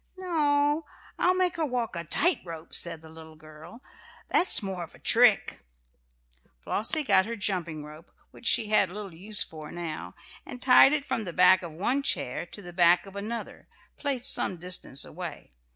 "No, I'll make her walk a tight rope," said the little girl. "That's more of a trick." Flossie got her jumping rope, which she had little use for now, and tied it from the back of one chair to the back of another, placed some distance away.